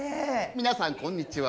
みなさんこんにちは。